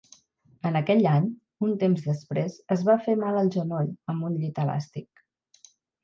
En aquell any, un temps després, es va fer mal al genoll amb un llit elàstic.